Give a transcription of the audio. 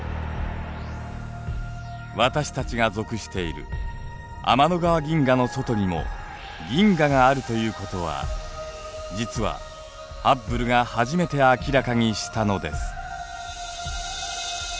私たちが属している天の川銀河の外にも銀河があるということは実はハッブルが初めて明らかにしたのです。